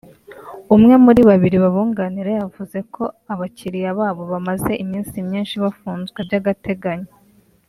umwe muri babiri babunganira yavuze ko abakiliya babo bamaze iminsi myinshi bafunzwe by’agateganyo